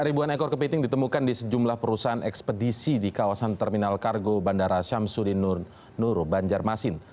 ribuan ekor kepiting ditemukan di sejumlah perusahaan ekspedisi di kawasan terminal kargo bandara syamsudin nuru banjarmasin